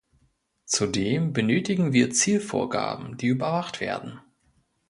Zudem benötigen wir Zielvorgaben, die überwacht werden.